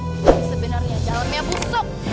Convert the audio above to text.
tapi sebenarnya jalan punya busuk